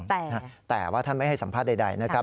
แต่ว่าท่านไม่ให้สัมภาษณ์ใดนะครับ